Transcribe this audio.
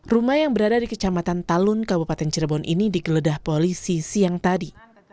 rumah yang berada di kecamatan talun kabupaten cirebon ini digeledah polisi siang tadi